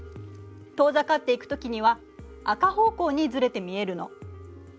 遠ざかっていくときには赤方向にずれて見えるの。